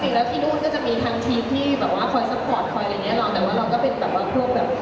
จริงแล้วที่นู่นก็จะมีทางทีมที่คอยซัพพอร์ตคอยอะไรอย่างนี้